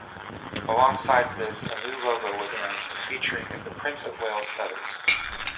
Alongside this a new logo was announced featuring the Prince of Wales feathers.